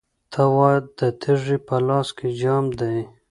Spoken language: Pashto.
ته وا، د تږي په لاس کې جام دی